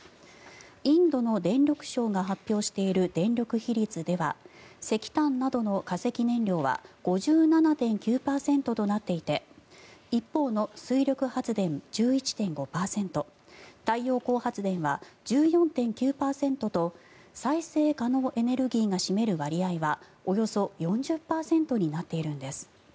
インドの電力省が発表している電力比率では石炭などの化石燃料は５７．９％となっていて一方の水力発電、１１．５％太陽光発電は１４．９％と再生可能エネルギーが占める割合はおよそ４０％になっているんです。